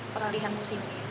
peralihan musim ini